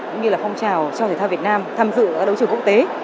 cũng như là phong trào cho thể thao việt nam tham dự đấu trường quốc tế